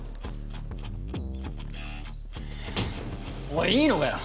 おいいいのかよ！？